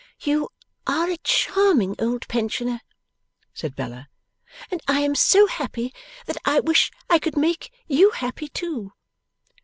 'You are a charming old pensioner,' said Bella, 'and I am so happy that I wish I could make you happy, too.